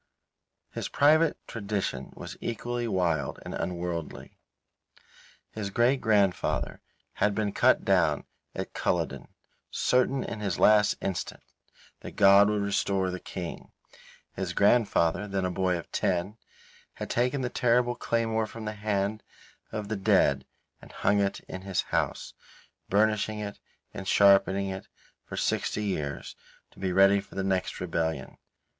His private tradition was equally wild and unworldly. His great grandfather had been cut down at Culloden, certain in his last instant that God would restore the King. His grandfather, then a boy of ten, had taken the terrible claymore from the hand of the dead and hung it up in his house, burnishing it and sharpening it for sixty years, to be ready for the next rebellion.